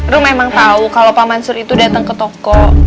rum memang tau kalo pak mansur itu dateng ke toko